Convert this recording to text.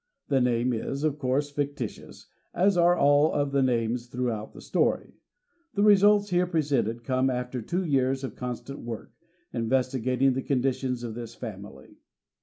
The name is, of course, fictitious, as are all of the names throughout the story. The results here presented come after two years of constant work, investigating the conditions of this family.